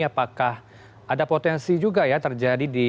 apakah ada potensi juga ya terjadi di